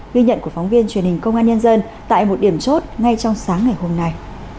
ghi nhận của phóng viên truyền hình công an nhân dân tại một điểm chốt ngay trong sáng ngày hôm nay